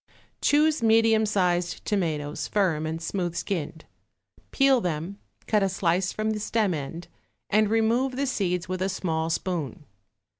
Choose medium sized tomatoes, firm and smooth skinned. Peel them, cut a slice from the stem end and remove the seeds with a small spoon.